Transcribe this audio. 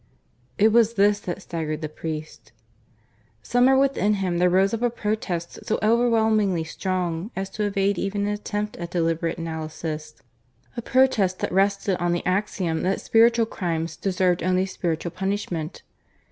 It was this that staggered the priest. Somewhere within him there rose up a protest so overwhelmingly strong as to evade even an attempt at deliberate analysis a protest that rested on the axiom that spiritual crimes deserved only spiritual punishment.